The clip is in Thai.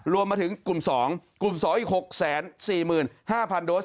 รวมถึงกลุ่ม๒กลุ่ม๒อีก๖๔๕๐๐โดส